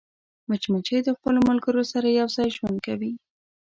مچمچۍ د خپلو ملګرو سره یوځای ژوند کوي